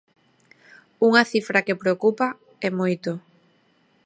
Unha cifra que preocupa, e moito.